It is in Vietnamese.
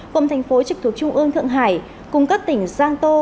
cùng thành phố trực thuộc trung ương thượng hải cùng các tỉnh giang tô